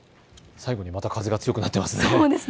最後にまた風が強くなってますね。